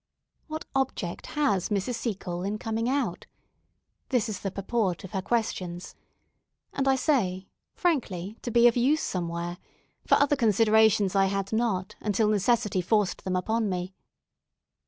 What object has Mrs. Seacole in coming out? This is the purport of her questions. And I say, frankly, to be of use somewhere; for other considerations I had not, until necessity forced them upon me.